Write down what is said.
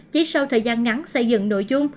chỉ sau thời gian ngắn xây dựng nội dung